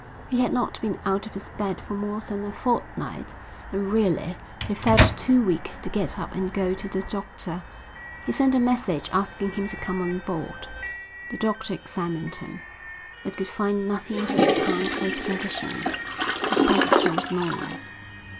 He had not been out of his bed for more than a fortnight and really he felt too weak to get up and go to the doctor. He sent a message asking him to come on board. The doctor examined him, but could find nothing to account for his condition. His temperature was normal.